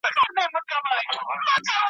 نو چي شاعر پخپله نه په پوهیږي ,